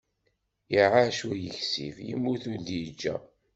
Iɛac ur yeksib, yemmut ur d-yeǧǧa.